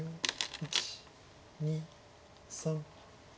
１２３。